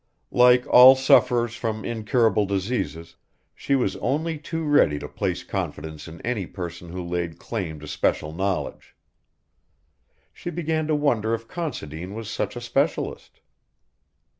Like all sufferers from incurable diseases she was only too ready to place confidence in any person who laid claim to special knowledge. She began to wonder if Considine was such a specialist.